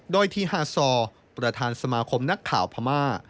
โดยทีฮาซอร์ประธานสมาคมนักข่าวพม่า